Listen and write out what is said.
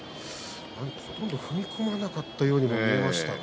ほとんど踏み込まなかったようにも見えますね。